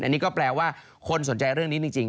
อันนี้ก็แปลว่าคนสนใจเรื่องนี้จริง